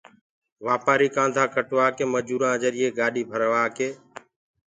واپآري ڪآندآ ڪٽوآڪي مجورآن جريئي گاڏي ڀروآڪي